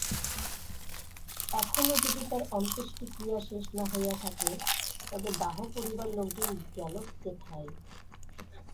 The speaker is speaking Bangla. এখনো যদি তার অন্ত্যেষ্টিক্রিয়া শেষ না হইয়া থাকে তবে দাহ করিবার লোকজন গেল কেথায়?